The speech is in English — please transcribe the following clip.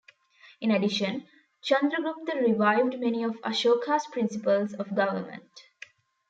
In addition, Chandragupta revived many of Ashoka's principles of government.